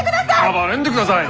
暴れんでください！